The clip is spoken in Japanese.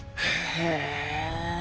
へえ！